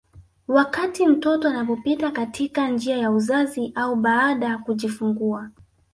Wakati mtoto anapopita katika njia ya uzazi au baada kujifungua